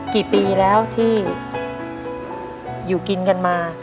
กี่ปีแล้วที่อยู่กินกันมา